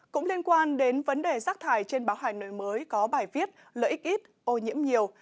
cũng liên quan đến vấn đề rác thải trên báo hà nội mới có bài viết lợi ích ít ô nhiễm nhiều